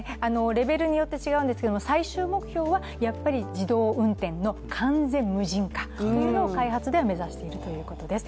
レベルによって違うんですけれども、最終目標は自動運転の完全無人化というのを、開発では目指しているということです。